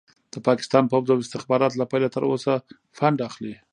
د پاکستان پوځ او استخبارات له پيله تر اوسه فنډ اخلي.